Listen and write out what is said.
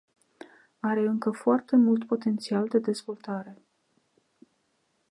Are încă foarte mult potențial de dezvoltare.